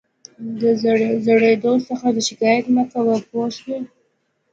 د زړېدو څخه شکایت مه کوه پوه شوې!.